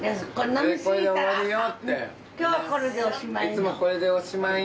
今日これでおしまい。